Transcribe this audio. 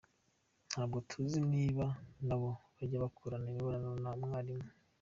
Ntabwo tuzi niba nabo bajya bakorana imibonano na mwarimu.